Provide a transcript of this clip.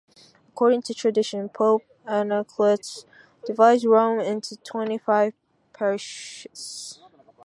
According to tradition, Pope Anacletus divided Rome into twenty-five parishes.